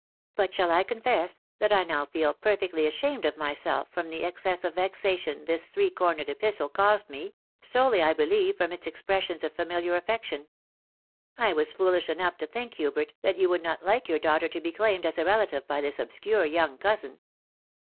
But shall I confess that I now feel perfectly ashamed of myself from the excess of vexation this three cornered epistle caused me ? solely, I beheve, from its expressions of familiar affection. I was foolish enough to think, Hubert, that you would not like your daughter to be claimed as a relative by this obscure young cousin."